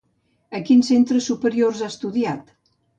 A quins centres superiors ha estudiat?